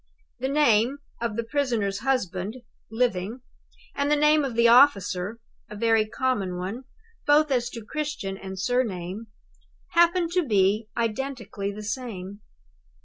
The name of the prisoner's husband (living) and the name of the officer (a very common one, both as to Christian and surname) happened to be identically the same.